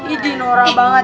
ini norak banget